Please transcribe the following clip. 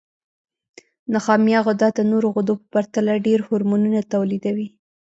نخامیه غده د نورو غدو په پرتله ډېر هورمونونه تولیدوي.